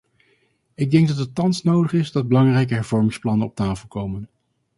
Ik denk dat het thans nodig is dat belangrijke hervormingsplannen op tafel komen.